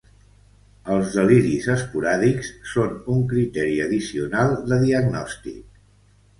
Els deliris esporàdics són un criteri addicional de diagnòstic.